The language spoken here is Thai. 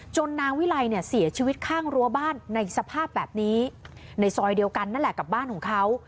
นางวิไลเนี่ยเสียชีวิตข้างรั้วบ้านในสภาพแบบนี้ในซอยเดียวกันนั่นแหละกับบ้านของเขา